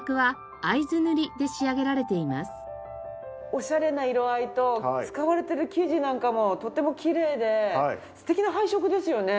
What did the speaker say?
おしゃれな色合いと使われている生地なんかもとてもきれいで素敵な配色ですよね。